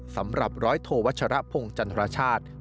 สำหรับร้อยโทวัชรพงศ์จันทรชาติ